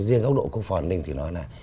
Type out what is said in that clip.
riêng góc độ quốc phòng an ninh thì nói là